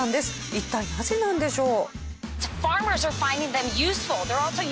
一体なぜなんでしょう？